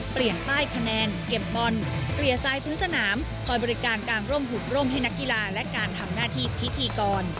เปลี่ยนป้ายคะแนนเก็บบอลเปลี่ยนทรายพื้นสนามคอยบริการการร่มหุบร่มให้นักกีฬาและการทำหน้าที่พิธีกร